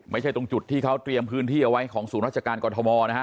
ไม่ใช่ตรงจุดที่เขาเตรียมพื้นที่เอาไว้ของศูนย์ราชการกรทมนะฮะ